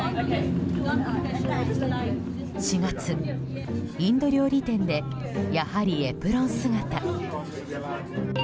４月、インド料理店でやはりエプロン姿。